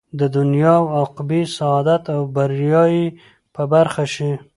د دنيا او عقبى سعادت او بريا ئې په برخه شي